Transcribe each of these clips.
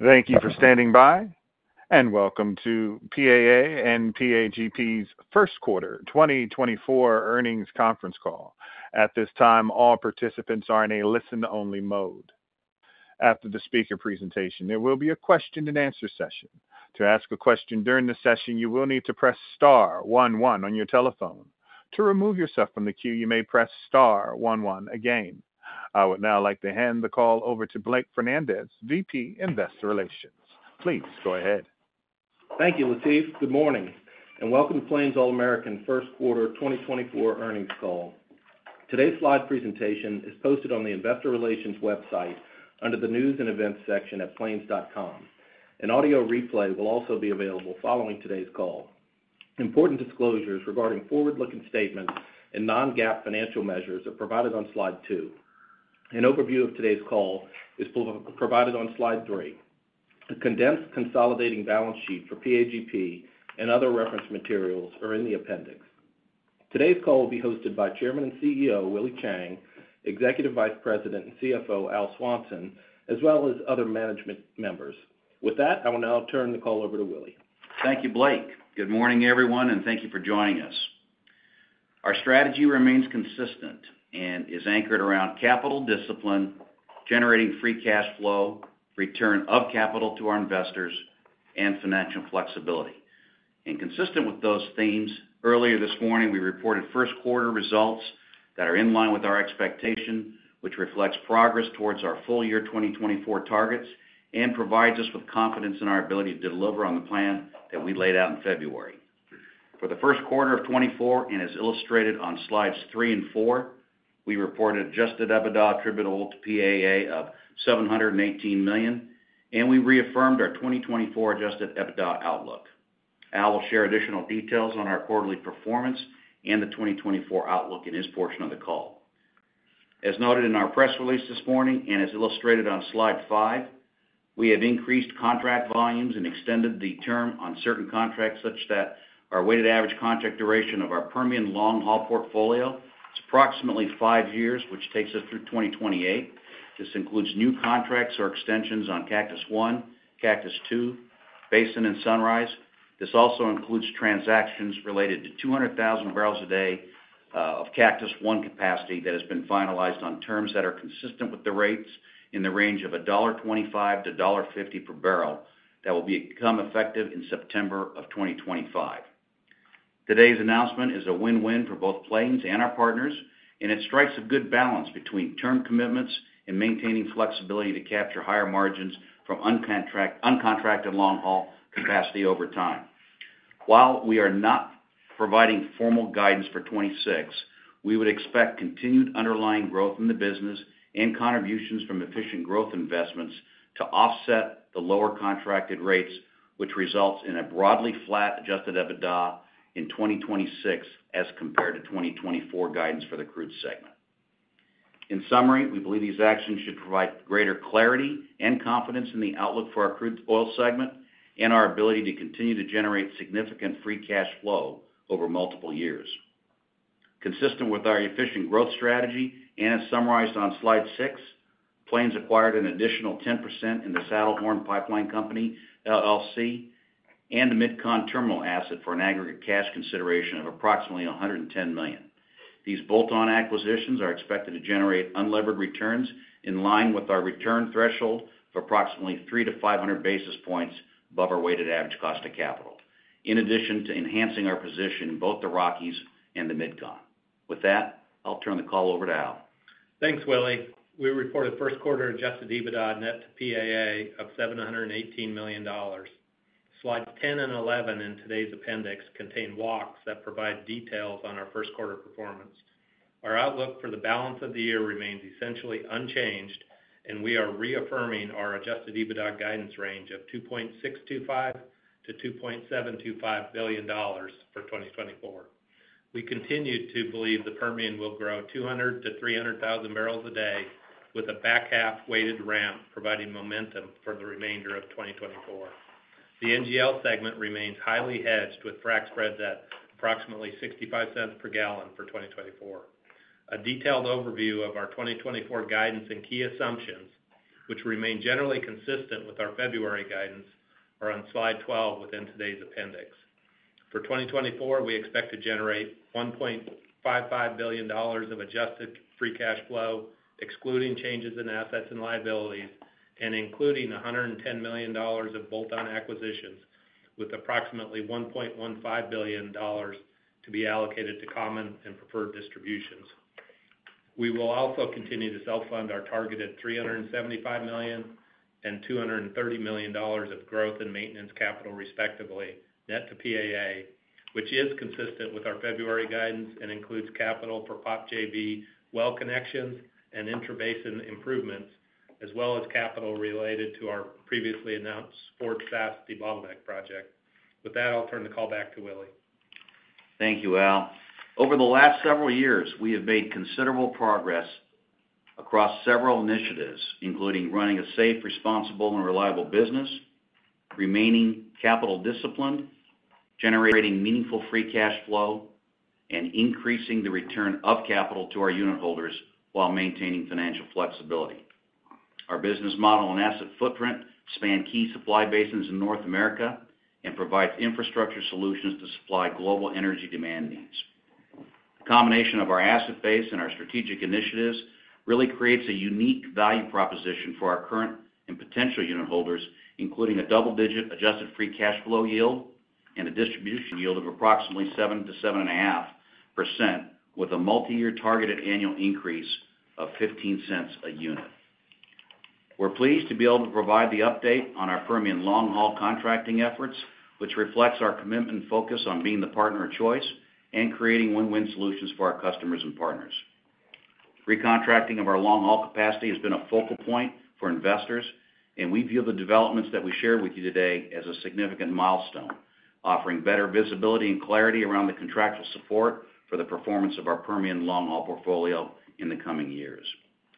Thank you for standing by, and welcome to PAA and PAGP's Q1 2024 earnings conference call. At this time, all participants are in a listen-only mode. After the speaker presentation, there will be a question-and-answer session. To ask a question during the session, you will need to press star one one on your telephone. To remove yourself from the queue, you may press star one one again. I would now like to hand the call over to Blake Fernandez, VP, Investor Relations. Please go ahead. Thank you, Latif. Good morning, and welcome to Plains All American Q1 2024 earnings call. Today's slide presentation is posted on the investor relations website under the News and Events section at plains.com. An audio replay will also be available following today's call. Important disclosures regarding forward-looking statements and non-GAAP financial measures are provided on slide two. An overview of today's call is provided on slide three. A condensed consolidating balance sheet for PAGP and other reference materials are in the appendix. Today's call will be hosted by Chairman and CEO, Willie Chiang, Executive Vice President and CFO, Al Swanson, as well as other management members. With that, I will now turn the call over to Willie. Thank you, Blake. Good morning, everyone, and thank you for joining us. Our strategy remains consistent and is anchored around capital discipline, generating free cash flow, return of capital to our investors, and financial flexibility. Consistent with those themes, earlier this morning, we reported Q1 results that are in line with our expectation, which reflects progress towards our full year 2024 targets and provides us with confidence in our ability to deliver on the plan that we laid out in February. For the Q1 of 2024, and as illustrated on slides three and four, we reported adjusted EBITDA attributable to PAA of $718 million, and we reaffirmed our 2024 adjusted EBITDA outlook. Al will share additional details on our quarterly performance and the 2024 outlook in his portion of the call. As noted in our press release this morning, and as illustrated on slide five, we have increased contract volumes and extended the term on certain contracts such that our weighted average contract duration of our Permian long-haul portfolio is approximately five years, which takes us through 2028. This includes new contracts or extensions on Cactus One, Cactus Two, Basin, and Sunrise. This also includes transactions related to 200,000 barrels a day of Cactus One capacity that has been finalized on terms that are consistent with the rates in the range of $1.25 to $1.50 per barrel. That will become effective in September of 2025. Today's announcement is a win-win for both Plains and our partners, and it strikes a good balance between term commitments and maintaining flexibility to capture higher margins from uncontracted long-haul capacity over time. While we are not providing formal guidance for 2026, we would expect continued underlying growth in the business and contributions from efficient growth investments to offset the lower contracted rates, which results in a broadly flat Adjusted EBITDA in 2026 as compared to 2024 guidance for the crude segment. In summary, we believe these actions should provide greater clarity and confidence in the outlook for our crude oil segment and our ability to continue to generate significant free cash flow over multiple years. Consistent with our efficient growth strategy and as summarized on slide six, Plains acquired an additional 10% in the Saddlehorn Pipeline Company, LLC, and the Mid-Con Terminal asset for an aggregate cash consideration of approximately $110 million. These bolt-on acquisitions are expected to generate unlevered returns in line with our return threshold of approximately 300 to 500 basis points above our weighted average cost of capital, in addition to enhancing our position in both the Rockies and the Mid-Con. With that, I'll turn the call over to Al. Thanks, Willie. We reported Q1 Adjusted EBITDA net to PAA of $718 million. Slides 10 and 11 in today's appendix contain walks that provide details on our Q1 performance. Our outlook for the balance of the year remains essentially unchanged, and we are reaffirming our Adjusted EBITDA guidance range of $2.625 billion-$2.725 billion for 2024. We continue to believe the Permian will grow 200,000 to 300,000 barrels a day, with a back-half weighted ramp providing momentum for the remainder of 2024. The NGL segment remains highly hedged, with frac spreads at approximately $0.65 per gallon for 2024. A detailed overview of our 2024 guidance and key assumptions, which remain generally consistent with our February guidance, are on slide 12 within today's appendix. For 2024, we expect to generate $1.55 billion of adjusted free cash flow, excluding changes in assets and liabilities, and including $110 million of bolt-on acquisitions, with approximately $1.15 billion to be allocated to common and preferred distributions. We will also continue to self-fund our targeted $375 million and $230 million of growth and maintenance capital, respectively, net to PAA, which is consistent with our February guidance and includes capital for POP JV well connections and intrabasin improvements, as well as capital related to our previously announced Fort Saskatchewan debottleneck project. With that, I'll turn the call back to Willie. Thank you, Al. Over the last several years, we have made considerable progress across several initiatives, including running a safe, responsible, and reliable business.... remaining capital disciplined, generating meaningful free cash flow, and increasing the return of capital to our unit holders while maintaining financial flexibility. Our business model and asset footprint span key supply basins in North America and provides infrastructure solutions to supply global energy demand needs. The combination of our asset base and our strategic initiatives really creates a unique value proposition for our current and potential unit holders, including a double-digit adjusted free cash flow yield and a distribution yield of approximately 7% to 7.5%, with a multiyear targeted annual increase of $0.15 a unit. We're pleased to be able to provide the update on our Permian long-haul contracting efforts, which reflects our commitment and focus on being the partner of choice and creating win-win solutions for our customers and partners. Recontracting of our long-haul capacity has been a focal point for investors, and we view the developments that we share with you today as a significant milestone, offering better visibility and clarity around the contractual support for the performance of our Permian long-haul portfolio in the coming years.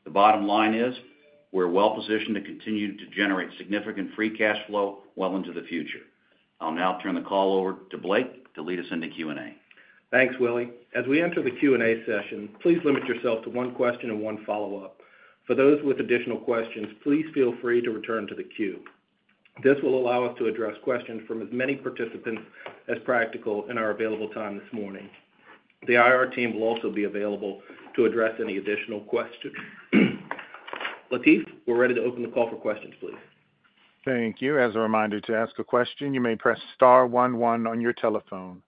The bottom line is, we're well positioned to continue to generate significant free cash flow well into the future. I'll now turn the call over to Blake to lead us into Q&A. Thanks, Willie. As we enter the Q&A session, please limit yourself to one question and one follow-up. For those with additional questions, please feel free to return to the queue. This will allow us to address questions from as many participants as practical in our available time this morning. The IR team will also be available to address any additional questions. Latif, we're ready to open the call for questions, please. Thank you. As a reminder, to ask a question, you may press star one, one on your telephone.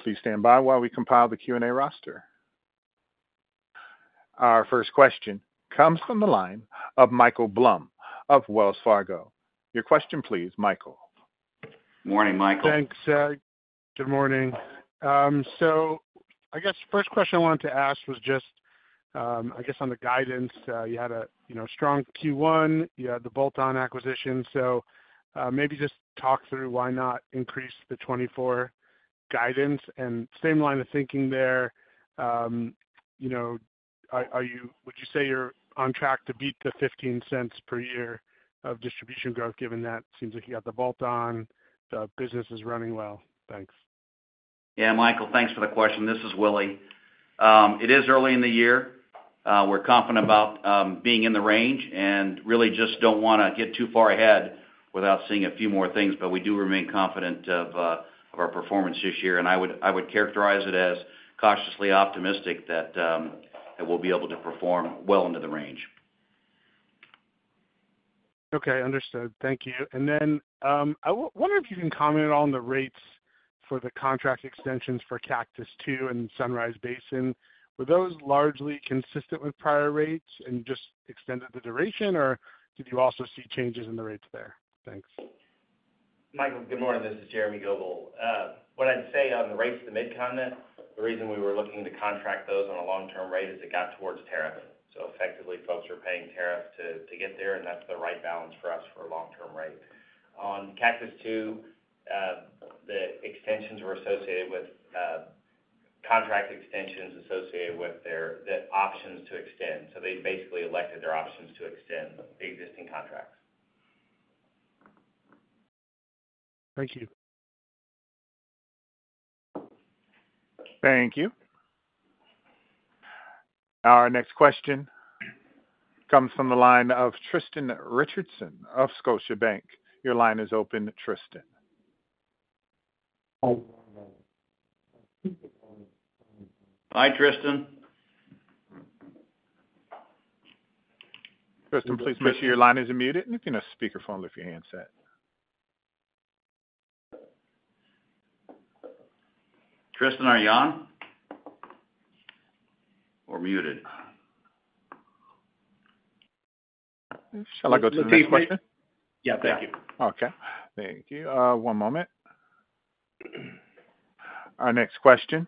Please stand by while we compile the Q&A roster. Our first question comes from the line of Michael Blum of Wells Fargo. Your question, please, Michael. Morning, Michael. Thanks, good morning. So I guess the first question I wanted to ask was just, I guess, on the guidance. You had a, you know, strong Q1, you had the bolt-on acquisition, so, maybe just talk through why not increase the 2024 guidance? And same line of thinking there, you know, are, are you, would you say you're on track to beat the $0.15 per year of distribution growth, given that it seems like you got the bolt-on, the business is running well? Thanks. Yeah, Michael, thanks for the question. This is Willie. It is early in the year. We're confident about being in the range and really just don't wanna get too far ahead without seeing a few more things, but we do remain confident of our performance this year, and I would characterize it as cautiously optimistic that we'll be able to perform well into the range. Okay, understood. Thank you. And then, I wonder if you can comment on the rates for the contract extensions for Cactus Two and Sunrise Basin. Were those largely consistent with prior rates and just extended the duration, or did you also see changes in the rates there? Thanks. Michael, good morning. This is Jeremy Goebel. What I'd say on the rates to Midcontinent, the reason we were looking to contract those on a long-term rate is it got towards tariff. So effectively, folks are paying tariff to, to get there, and that's the right balance for us for a long-term rate. On Cactus Two, the extensions were associated with, contract extensions associated with their, the options to extend. So they basically elected their options to extend the existing contracts. Thank you. Thank you. Our next question comes from the line of Tristan Richardson of Scotiabank. Your line is open, Tristan. Hi, Tristan. Tristan, please make sure your line is unmuted, and you can speakerphone if your handset. Tristan, are you on or muted? Shall I go to the next question? Yeah, thank you. Okay. Thank you. One moment. Our next question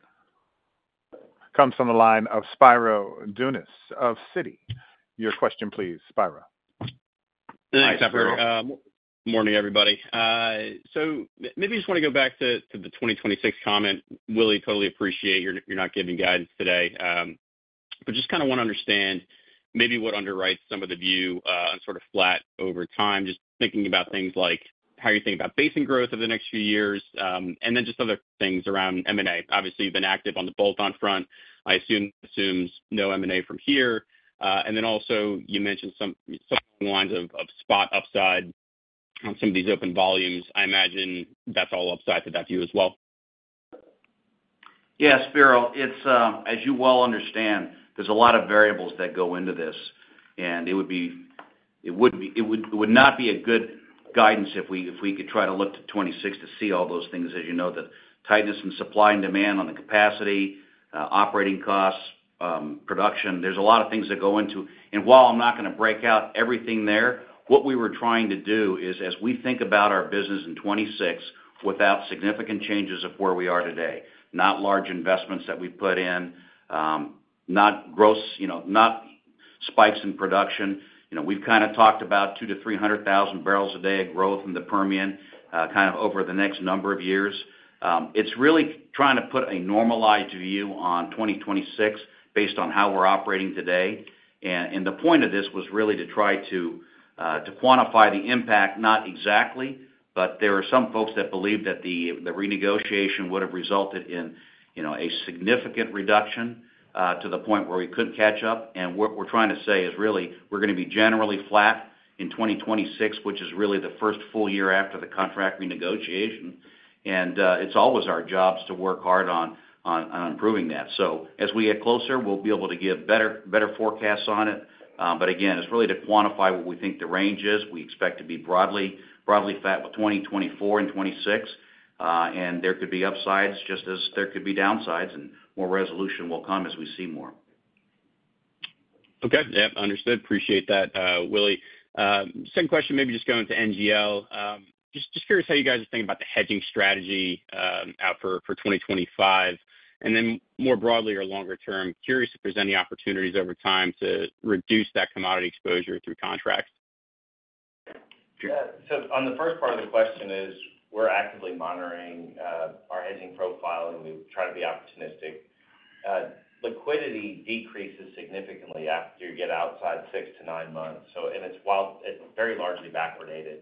comes from the line of Spiro Dounis of Citi. Your question, please, Spiro. Thanks, Spiro. Morning, everybody. So maybe just want to go back to the 2026 comment. Willie, totally appreciate you're not giving guidance today. But just kind of want to understand maybe what underwrites some of the view on sort of flat over time. Just thinking about things like how you think about basin growth over the next few years, and then just other things around M&A. Obviously, you've been active on the bolt-on front. I assume assumes no M&A from here. And then also, you mentioned some lines of spot upside on some of these open volumes. I imagine that's all upside to that view as well. Yeah, Spiro, it's, as you well understand, there's a lot of variables that go into this, and it would not be a good guidance if we could try to look to 2026 to see all those things. As you know, the tightness in supply and demand on the capacity, operating costs, production, there's a lot of things that go into. And while I'm not gonna break out everything there, what we were trying to do is, as we think about our business in 2026, without significant changes of where we are today, not large investments that we put in, not gross, you know, spikes in production. You know, we've kind of talked about 200,000-300,000 barrels a day of growth in the Permian, kind of over the next number of years. It's really trying to put a normalized view on 2026 based on how we're operating today. The point of this was really to try to quantify the impact, not exactly, but there are some folks that believe that the renegotiation would have resulted in, you know, a significant reduction to the point where we couldn't catch up. What we're trying to say is really, we're going to be generally flat in 2026, which is really the first full year after the contract renegotiation. It's always our jobs to work hard on improving that. So as we get closer, we'll be able to give better forecasts on it. But again, it's really to quantify what we think the range is. We expect to be broadly, broadly flat with 2024 and 2026, and there could be upsides just as there could be downsides, and more resolution will come as we see more. Okay. Yep, understood. Appreciate that, Willie. Second question, maybe just going to NGL. Just, just curious how you guys are thinking about the hedging strategy, out for, for 2025, and then more broadly or longer term, curious if there's any opportunities over time to reduce that commodity exposure through contracts? Yeah. So on the first part of the question is, we're actively monitoring our hedging profile, and we try to be opportunistic. Liquidity decreases significantly after you get outside six to nine months. So it's very largely backwardated.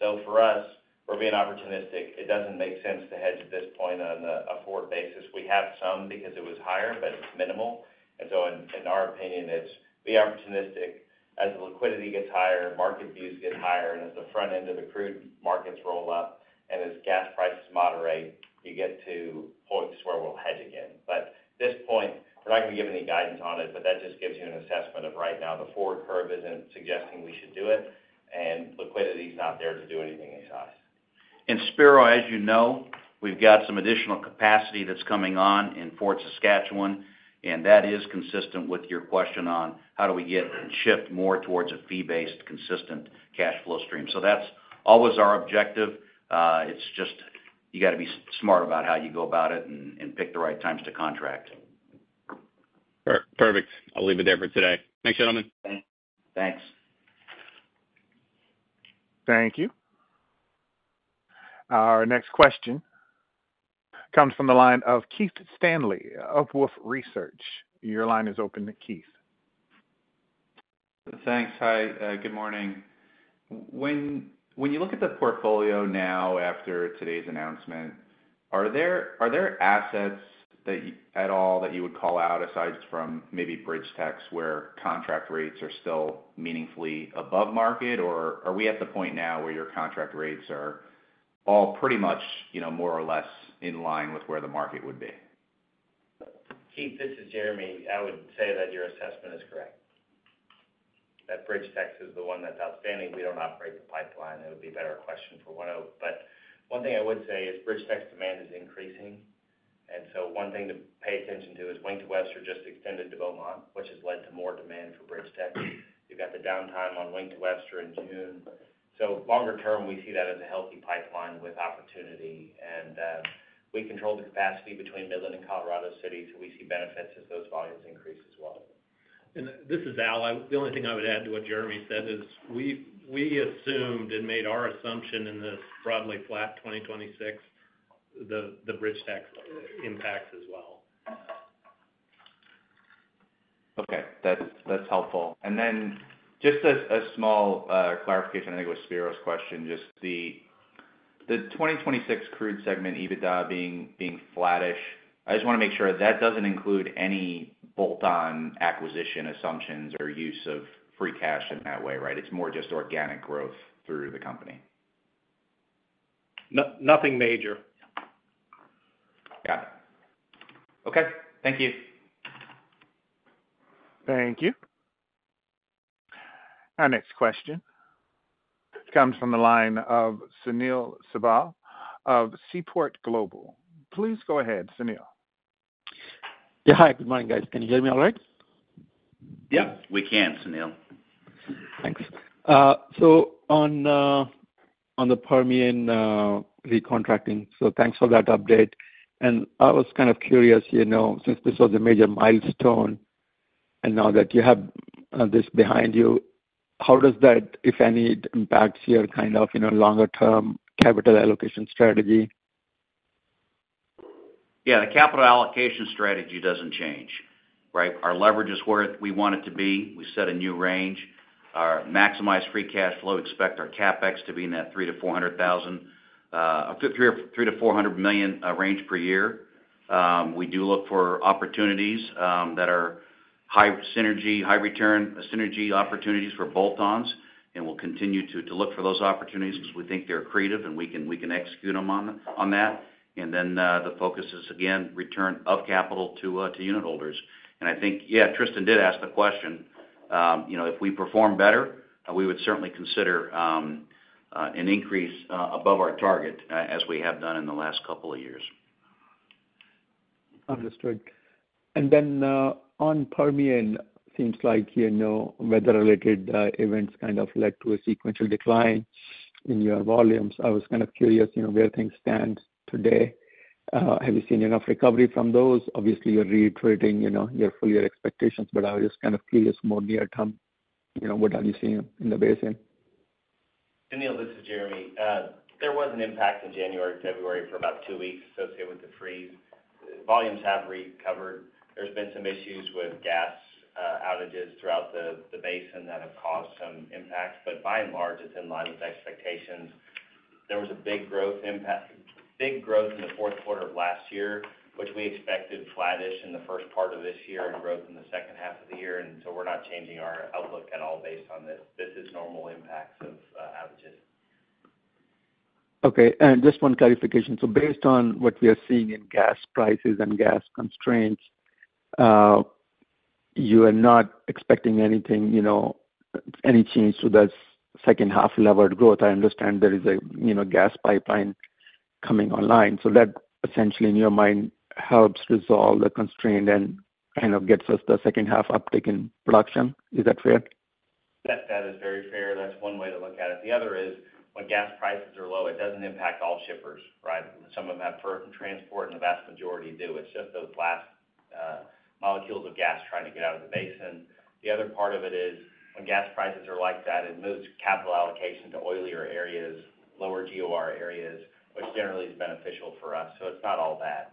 So for us, we're being opportunistic. It doesn't make sense to hedge at this point on a forward basis. We have some because it was higher, but it's minimal. And so in our opinion, it's to be opportunistic. As the liquidity gets higher, market views get higher, and as the front end of the crude markets roll up, and as gas prices moderate, you get to points where we'll hedge again. But at this point, we're not going to give any guidance on it, but that just gives you an assessment of right now. The forward curve isn't suggesting we should do it, and liquidity is not there to do anything anyhow. Spiro, as you know, we've got some additional capacity that's coming on in Fort Saskatchewan, and that is consistent with your question on how do we get and shift more towards a fee-based, consistent cash flow stream. So that's always our objective. It's just, you got to be smart about how you go about it and pick the right times to contract. Perfect. I'll leave it there for today. Thanks, gentlemen. Thanks. Thank you. Our next question comes from the line of Keith Stanley of Wolfe Research. Your line is open, Keith. Thanks. Hi, good morning. When you look at the portfolio now after today's announcement, are there assets that at all you would call out, aside from maybe BridgeTex, where contract rates are still meaningfully above market? Or are we at the point now where your contract rates are all pretty much, you know, more or less in line with where the market would be? Keith, this is Jeremy. I would say that your assessment is correct, that BridgeTex is the one that's outstanding. We don't operate the pipeline. It would be a better question for ONEOK. But one thing I would say is BridgeTex's demand is increasing, and so one thing to pay attention to is Wink to Webster just extended to Beaumont, which has led to more demand for BridgeTex. You've got the downtime on Wink to Webster in June. So longer term, we see that as a healthy pipeline with opportunity, and we control the capacity between Midland and Colorado City, so we see benefits as those volumes increase as well. This is Al. The only thing I would add to what Jeremy said is, we assumed and made our assumption in this broadly flat 2026, the BridgeTex impact as well. Okay, that's, that's helpful. And then just a, a small clarification, I think it was Spiro's question, just the, the 2026 crude segment, EBITDA being, being flattish. I just want to make sure that doesn't include any bolt-on acquisition assumptions or use of free cash in that way, right? It's more just organic growth through the company. No, nothing major. Got it. Okay. Thank you. Thank you. Our next question comes from the line of Sunil Sibal of Seaport Global. Please go ahead, Sunil. Yeah. Hi, good morning, guys. Can you hear me all right? Yep, we can, Sunil. Thanks. So on the Permian recontracting, so thanks for that update. And I was kind of curious, you know, since this was a major milestone, and now that you have this behind you, how does that, if any, impacts your kind of, you know, longer-term capital allocation strategy? Yeah, the capital allocation strategy doesn't change, right? Our leverage is where we want it to be. We set a new range. Our maximized free cash flow, expect our CapEx to be in that $300-$400 million range per year. We do look for opportunities that are high synergy, high return synergy opportunities for bolt-ons, and we'll continue to look for those opportunities because we think they're accretive, and we can execute them on that. And then, the focus is, again, return of capital to unitholders. And I think, yeah, Tristan did ask the question, you know, if we perform better, we would certainly consider an increase above our target as we have done in the last couple of years. Understood. And then, on Permian, seems like, you know, weather-related events kind of led to a sequential decline in your volumes. I was kind of curious, you know, where things stand today. Have you seen enough recovery from those? Obviously, you're reiterating, you know, your full year expectations, but I was just kind of curious, more near term, you know, what are you seeing in the basin? Sunil, this is Jeremy. There was an impact in January, February for about two weeks associated with the freeze. Volumes have recovered. There's been some issues with gas outages throughout the basin that have caused some impacts, but by and large, it's in line with expectations. There was a big growth impact, big growth in the Q4 of last year, which we expected flattish in the first part of this year and growth in the second half of the year, and so we're not changing our outlook at all based on this. This is normal impacts of outages. Okay, and just one clarification. So based on what we are seeing in gas prices and gas constraints, you are not expecting anything, you know, any change to this second half levered growth? I understand there is a, you know, gas pipeline coming online. So that essentially, in your mind, helps resolve the constraint and kind of gets us the second half uptick in production. Is that fair? Yes, that is very fair. That's one way to look at it. The other is, when gas prices are low, it doesn't impact all shippers, right? Some of them have firm transport, and the vast majority do. It's just those last molecules of gas trying to get out of the basin. The other part of it is, when gas prices are like that, it moves capital allocation to oilier areas, lower GOR areas, which generally is beneficial for us. So it's not all bad.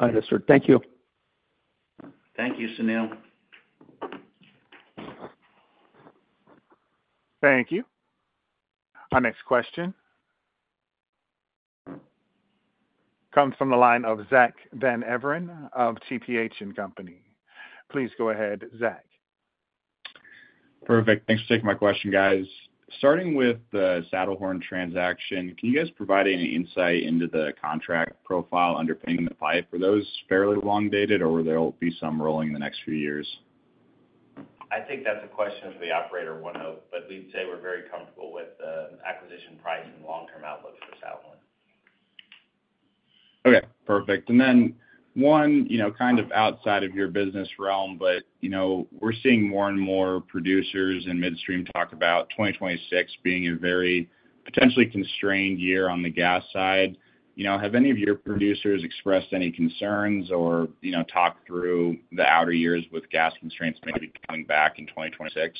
Understood. Thank you. Thank you, Sunil. Thank you. Our next question comes from the line of Zack Van Everen of TPH & Co. Please go ahead, Zack. Perfect. Thanks for taking my question, guys. Starting with the Saddlehorn transaction, can you guys provide any insight into the contract profile underpinning the pipe? Are those fairly long-dated, or will there be some rolling in the next few years? I think that's a question for the operator, ONEOK, but we'd say we're very comfortable with the acquisition price and long-term outlook for Saddlehorn. Okay, perfect. And then one, you know, kind of outside of your business realm, but, you know, we're seeing more and more producers and midstream talk about 2026 being a very potentially constrained year on the gas side. You know, have any of your producers expressed any concerns or, you know, talked through the outer years with gas constraints maybe coming back in 2026?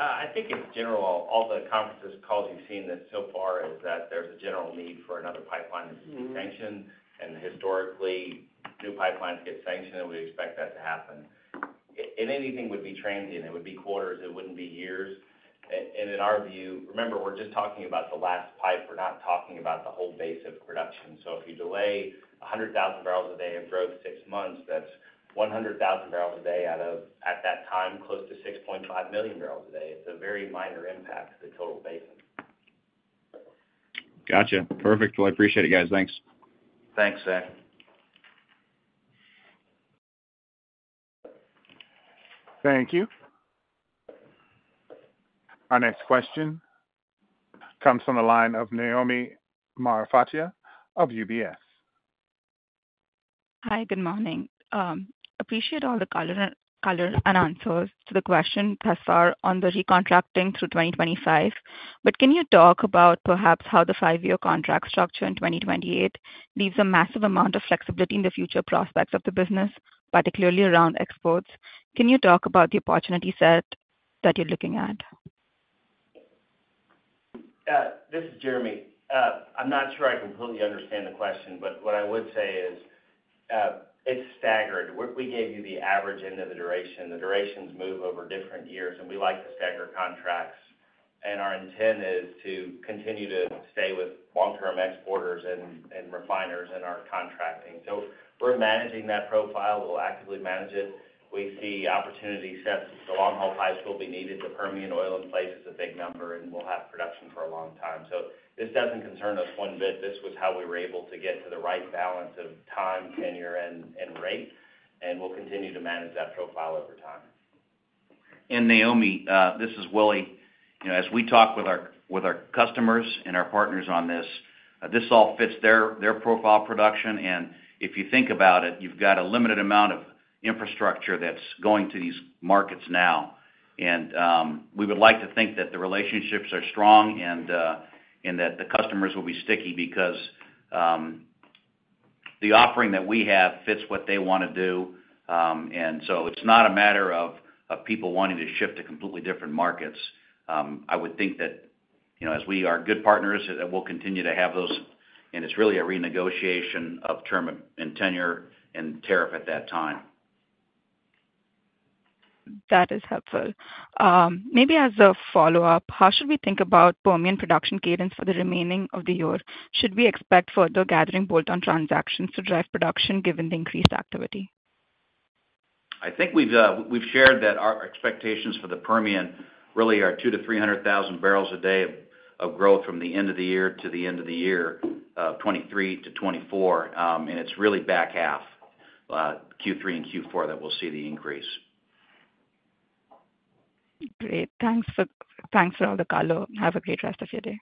I think in general, all, all the conferences, calls you've seen this so far, is that there's a general need for another pipeline to be sanctioned. And historically, new pipelines get sanctioned, and we expect that to happen. If anything, it would be transient. It would be quarters, it wouldn't be years. And, and in our view, remember, we're just talking about the last pipe. We're not talking about the whole base of production. So if you delay 100,000 barrels a day of growth six months, that's 100,000 barrels a day out of, at that time, close to 6.5 million barrels a day. It's a very minor impact to the total basin. Gotcha. Perfect. Well, I appreciate it, guys. Thanks. Thanks, Zach. Thank you. Our next question comes from the line of Naomi Marfatia of UBS. Hi, good morning. Appreciate all the color and answers to the question thus far on the recontracting through 2025. But can you talk about perhaps how the five-year contract structure in 2028 leaves a massive amount of flexibility in the future prospects of the business, particularly around exports? Can you talk about the opportunity set that you're looking at? This is Jeremy. I'm not sure I completely understand the question, but what I would say is, it's staggered. We, we gave you the average end of the duration. The durations move over different years, and we like to stagger contracts, and our intent is to continue to stay with long-term exporters and, and refiners in our contracting. So we're managing that profile. We'll actively manage it. We see opportunity sets. The long-haul pipes will be needed. The Permian oil in place is a big number, and we'll have production for a long time. So this doesn't concern us one bit. This was how we were able to get to the right balance of time, tenure, and, and rate, and we'll continue to manage that profile over time. And Naomi, this is Willie. You know, as we talk with our, with our customers and our partners on this, this all fits their, their profile production. And if you think about it, you've got a limited amount of infrastructure that's going to these markets now. And, we would like to think that the relationships are strong and, and that the customers will be sticky because, the offering that we have fits what they want to do. And so it's not a matter of, of people wanting to ship to completely different markets. I would think that, you know, as we are good partners, that we'll continue to have those, and it's really a renegotiation of term and tenure and tariff at that time. That is helpful. Maybe as a follow-up, how should we think about Permian production cadence for the remaining of the year? Should we expect further gathering bolt-on transactions to drive production given the increased activity? I think we've shared that our expectations for the Permian really are 200,000-300,000 barrels a day of growth from the end of the year to the end of the year, 2023-2024. And it's really back half, Q3 and Q4, that we'll see the increase. Great. Thanks for all the color. Have a great rest of your day.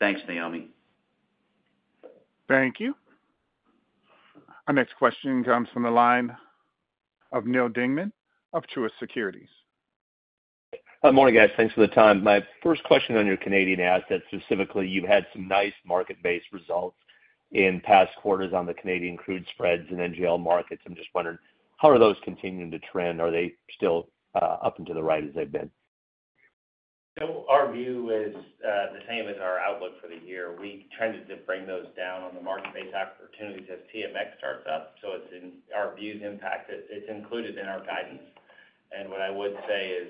Thanks, Naomi. Thank you. Our next question comes from the line of Neal Dingmann of Truist Securities. Good morning, guys. Thanks for the time. My first question on your Canadian assets, specifically, you've had some nice market-based results in past quarters on the Canadian crude spreads and NGL markets. I'm just wondering, how are those continuing to trend? Are they still up into the right as they've been? So our view is the same as our outlook for the year. We tended to bring those down on the market-based opportunities as TMX starts up, so it's in our views impact it. It's included in our guidance. And what I would say is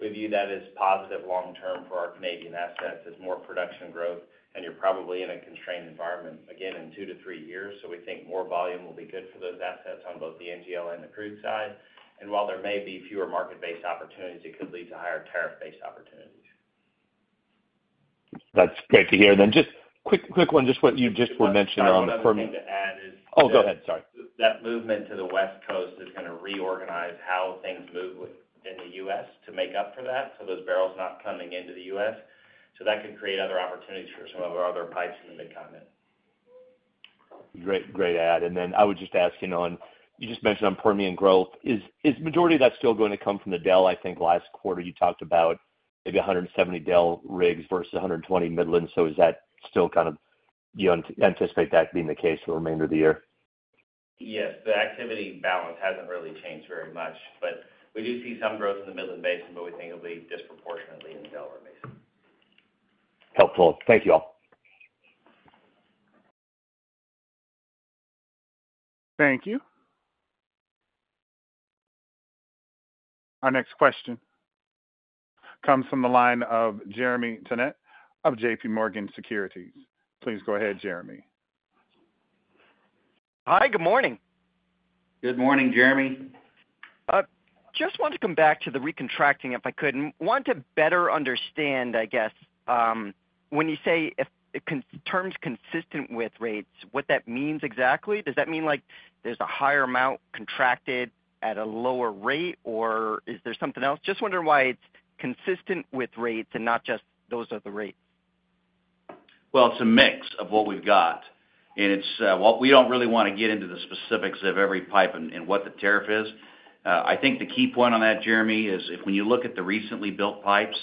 we view that as positive long-term for our Canadian assets, as more production growth, and you're probably in a constrained environment again in 2-3 years. So we think more volume will be good for those assets on both the NGL and the crude side. And while there may be fewer market-based opportunities, it could lead to higher tariff-based opportunities. That's great to hear. Then just quick, quick one, just what you just were mentioning on- One other thing to add is- Oh, go ahead, sorry. That movement to the West Coast is going to reorganize how things move within the U.S. to make up for that, so those barrels not coming into the U.S. So that could create other opportunities for some of our other pipes in the Mid-Continent. Great, great add. And then I would just ask, you know, on, you just mentioned on Permian growth, is the majority of that still going to come from the Delaware? I think last quarter, you talked about maybe 170 Delaware rigs versus 120 Midland. So is that still kind of... Do you anticipate that being the case for the remainder of the year? Yes, the activity balance hasn't really changed very much, but we do see some growth in the Midland Basin, but we think it'll be disproportionately in the Delaware Basin. Helpful. Thank you all. Thank you. Our next question comes from the line of Jeremy Tonet of J.P. Morgan Securities. Please go ahead, Jeremy. Hi, good morning. Good morning, Jeremy. Just want to come back to the recontracting, if I could. Want to better understand, I guess, when you say if contract terms consistent with rates, what that means exactly. Does that mean, like, there's a higher amount contracted at a lower rate, or is there something else? Just wondering why it's consistent with rates and not just those are the rates. Well, it's a mix of what we've got, and it's, well, we don't really want to get into the specifics of every pipe and, and what the tariff is. I think the key point on that, Jeremy, is if when you look at the recently built pipes,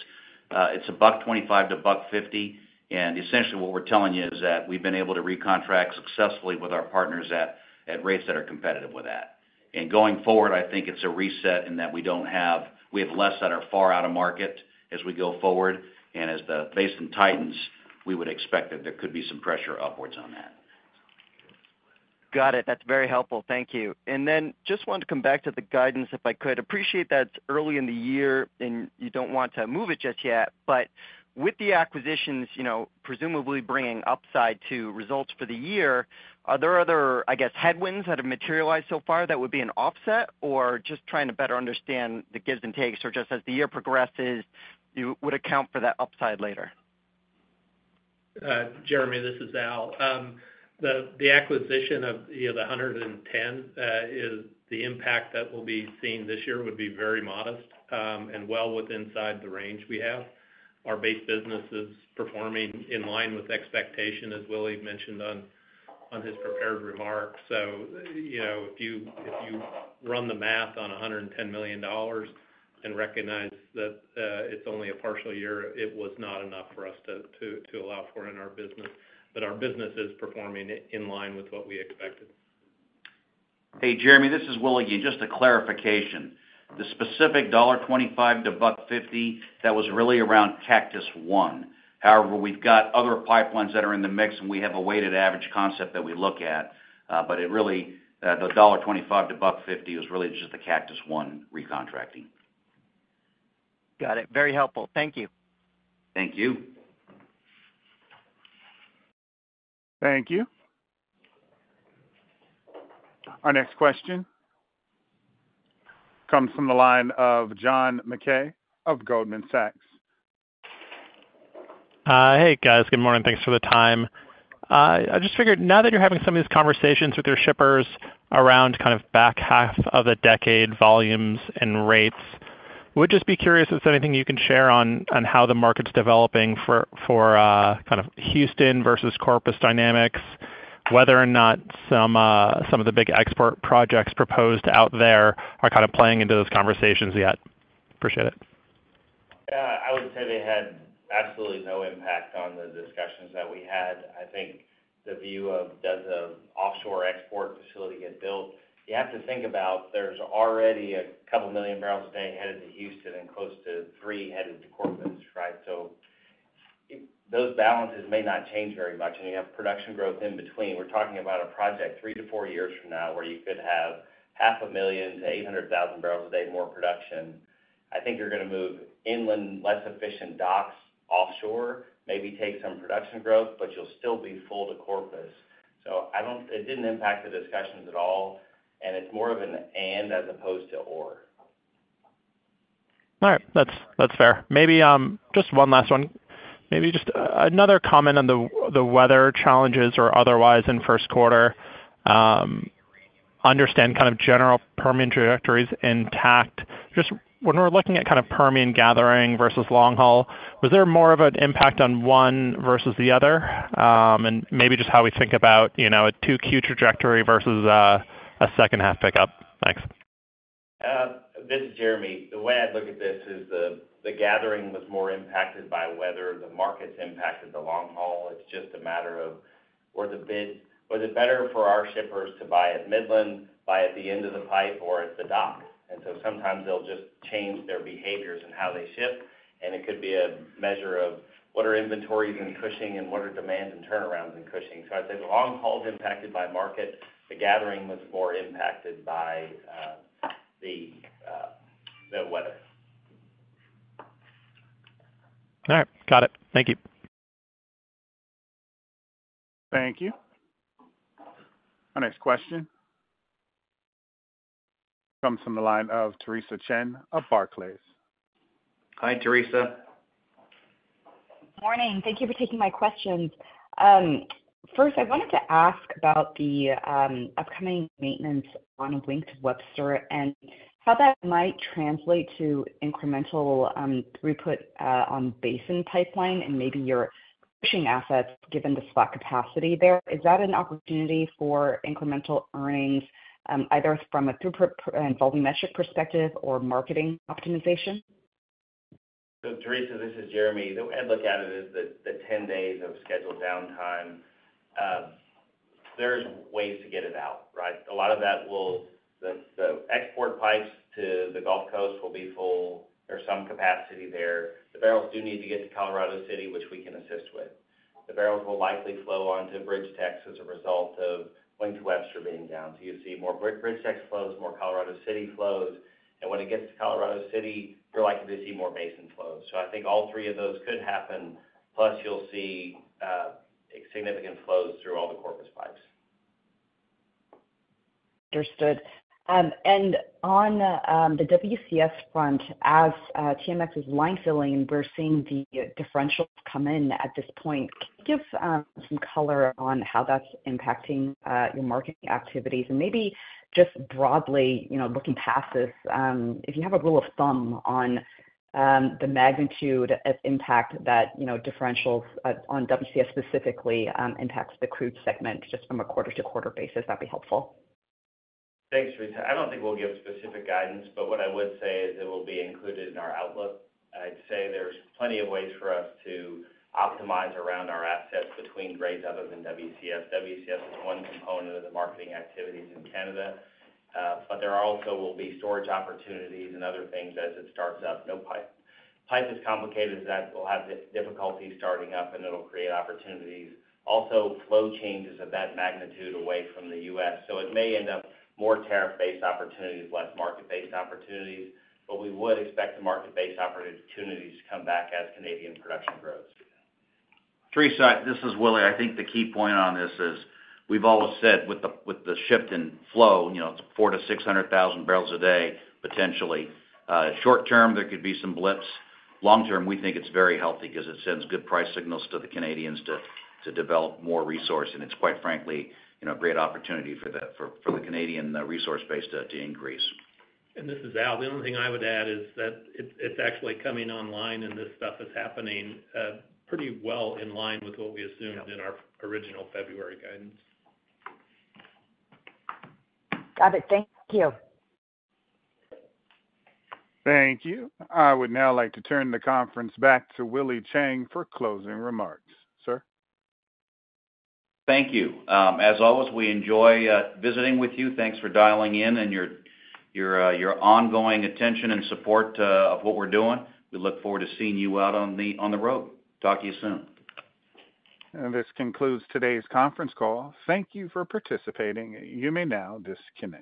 it's $1.25-$1.50. And essentially, what we're telling you is that we've been able to recontract successfully with our partners at, at rates that are competitive with that. And going forward, I think it's a reset in that we don't have, we have less that are far out of market as we go forward, and as the basin tightens, we would expect that there could be some pressure upwards on that. Got it. That's very helpful. Thank you. And then just wanted to come back to the guidance, if I could. Appreciate that it's early in the year, and you don't want to move it just yet. But with the acquisitions, you know, presumably bringing upside to results for the year, are there other, I guess, headwinds that have materialized so far that would be an offset? Or just trying to better understand the gives and takes, or just as the year progresses, you would account for that upside later. Jeremy, this is Al. The acquisition of, you know, the 110 is the impact that will be seen this year would be very modest, and well within inside the range we have. Our base business is performing in line with expectation, as Willie mentioned on his prepared remarks. So, you know, if you run the math on $110 million and recognize that it's only a partial year, it was not enough for us to allow for in our business. But our business is performing in line with what we expected. Hey, Jeremy, this is Willie. Just a clarification. The specific $1.25-$1.50, that was really around Cactus One. However, we've got other pipelines that are in the mix, and we have a weighted average concept that we look at. But it really, the $1.25-$1.50 is really just the Cactus One recontracting. Got it. Very helpful. Thank you. Thank you. Thank you. Our next question comes from the line of John Mackay of Goldman Sachs. Hey, guys. Good morning. Thanks for the time. I just figured now that you're having some of these conversations with your shippers around kind of back half of the decade, volumes and rates, would just be curious if there's anything you can share on, on how the market's developing for, for, kind of Houston versus Corpus Christi dynamics, whether or not some, some of the big export projects proposed out there are kind of playing into those conversations yet? Appreciate it. Yeah, I would say they had absolutely no impact on the discussions that we had. I think the view of does an offshore export facility get built, you have to think about there's already 2 million barrels a day headed to Houston and close to 3 headed to Corpus, right? So those balances may not change very much, and you have production growth in between. We're talking about a project 3-4 years from now, where you could have 500,000-800,000 barrels a day more production. I think you're going to move inland, less efficient docks offshore, maybe take some production growth, but you'll still be full to Corpus. So it didn't impact the discussions at all, and it's more of an and as opposed to or. All right. That's fair. Maybe just one last one. Maybe just another comment on the weather challenges or otherwise in Q1, understand kind of general Permian trajectories intact. Just when we're looking at kind of Permian gathering versus long haul, was there more of an impact on one versus the other? And maybe just how we think about, you know, a 2Q trajectory versus a second half pickup. Thanks. This is Jeremy. The way I'd look at this is the gathering was more impacted by weather. The markets impacted the long haul. It's just a matter of where the bid—was it better for our shippers to buy at Midland, buy at the end of the pipe, or at the dock? And so sometimes they'll just change their behaviors and how they ship, and it could be a measure of what are inventories in Cushing, and what are demands and turnarounds in Cushing. So I'd say the long haul is impacted by market. The gathering was more impacted by the weather. All right, got it. Thank you. Thank you. Our next question comes from the line of Theresa Chen of Barclays. Hi, Theresa. Morning. Thank you for taking my questions. First, I wanted to ask about the upcoming maintenance on Wink to Webster, and how that might translate to incremental throughput on Basin Pipeline and maybe your Cushing assets, given the slack capacity there. Is that an opportunity for incremental earnings, either from a throughput and volume metric perspective or marketing optimization? So, Theresa, this is Jeremy. The way I'd look at it is the 10 days of scheduled downtime, there's ways to get it out, right? A lot of that will, the export pipes to the Gulf Coast will be full. There's some capacity there. The barrels do need to get to Colorado City, which we can assist with. The barrels will likely flow on to BridgeTex as a result of Wink to Webster being down. So you'd see more BridgeTex flows, more Colorado City flows, and when it gets to Colorado City, you're likely to see more Basin flows. So I think all three of those could happen, plus you'll see significant flows through all the Corpus pipes. Understood. On the WCS front, as TMX is line filling, we're seeing the differentials come in at this point. Can you give some color on how that's impacting your marketing activities? Maybe just broadly, you know, looking past this, if you have a rule of thumb on the magnitude of impact that, you know, differentials on WCS specifically impacts the crude segment, just from a quarter to quarter basis, that'd be helpful. Thanks, Theresa. I don't think we'll give specific guidance, but what I would say is it will be included in our outlook. I'd say there's plenty of ways for us to optimize around our assets between grades other than WCS. WCS is one component of the marketing activities in Canada, but there also will be storage opportunities and other things as it starts up. No pipe. Pipe is complicated as that will have difficulty starting up, and it'll create opportunities. Also, flow changes of that magnitude away from the U.S., so it may end up more tariff-based opportunities, less market-based opportunities, but we would expect the market-based opportunities to come back as Canadian production grows. Theresa, this is Willie. I think the key point on this is, we've always said with the shift in flow, you know, it's 400,000-600,000 barrels a day, potentially. Short term, there could be some blips. Long term, we think it's very healthy because it sends good price signals to the Canadians to develop more resource, and it's quite frankly, you know, a great opportunity for the Canadian resource base to increase. This is Al. The only thing I would add is that it's actually coming online, and this stuff is happening pretty well in line with what we assumed- Yeah. -in our original February guidance. Got it. Thank you. Thank you. I would now like to turn the conference back to Willie Chiang for closing remarks. Sir? Thank you. As always, we enjoy visiting with you. Thanks for dialing in and your ongoing attention and support of what we're doing. We look forward to seeing you out on the road. Talk to you soon. This concludes today's conference call. Thank you for participating. You may now disconnect.